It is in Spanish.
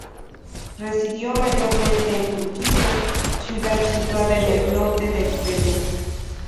Residió mayormente en Trujillo, ciudad situada en el norte del Perú.